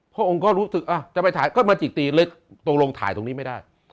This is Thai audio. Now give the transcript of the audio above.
พระองค์ก็รู้สึกจะไปถ่ายก็มาจิกตีลึกตรงลงถ่ายตรงนี้ไม่ได้